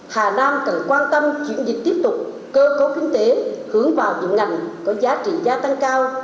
hà nam cần quan tâm chuyển dịch tiếp tục cơ cấu kinh tế hướng vào những ngành có giá trị gia tăng cao